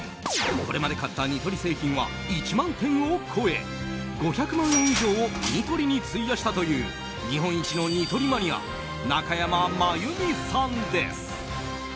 これまで買ったニトリ製品は１万点を超え５００万円以上をニトリに費やしたという日本一のニトリマニア中山真由美さんです。